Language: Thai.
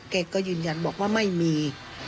ก็ยืนยันบอกว่าไม่มี